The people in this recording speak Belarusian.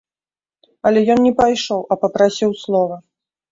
Але ён не пайшоў, а папрасіў слова.